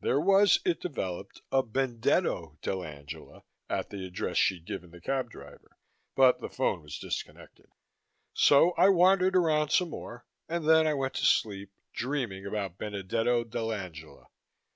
There was, it developed, a Benedetto dell'Angela at the address she'd given the cab driver; but the phone was disconnected. So I wandered around some more, and then I went to sleep, dreaming about Benedetto dell'Angela.